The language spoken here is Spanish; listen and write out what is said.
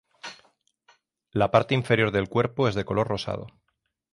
La parte inferior del cuerpo es de color rosado.